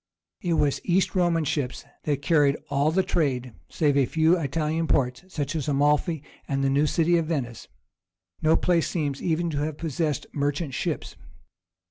It was East Roman ships that carried all the trade; save a few Italian ports, such as Amalphi and the new city of Venice, no place seems even to have possessed merchant ships.